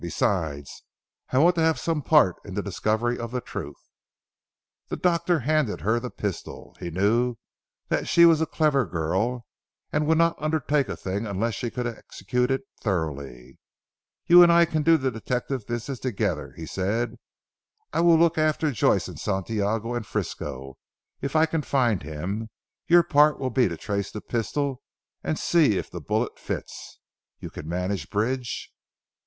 Besides I want to have some part in the discovery of the truth." The doctor handed her the pistol. He knew that she was a clever girl, and would not undertake a thing unless she could execute it thoroughly. "You and I can do the detective business together," he said. "I will look after Joyce and Santiago and Frisco if I can find him; your part will be to trace the pistol and to see if the bullet fits. You can manage Bridge?"